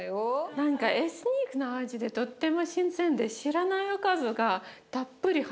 何かエスニックの味でとっても新鮮で知らないおかずがたっぷり入ってて面白かったです。